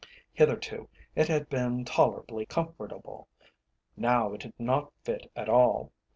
Hitherto it had been tolerably comfortable, now it did not fit at all.